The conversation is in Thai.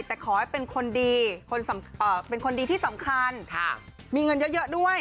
แต่ขอให้เป็นคนดีเป็นคนดีที่สำคัญมีเงินเยอะด้วย